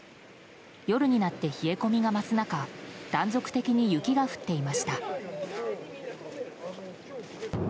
夜になって冷え込みが増す中断続的に雪が降っていました。